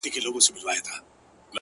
رانه هېريږي نه خيالونه هېرولاى نه ســم،